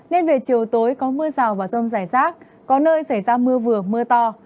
nên về chiều tối có mưa rào và rông rải rác có nơi xảy ra mưa vừa mưa to